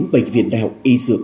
bệnh viện đạo y dược